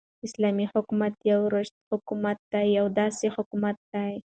ح : اسلامې حكومت يو راشده حكومت دى يو داسي حكومت دى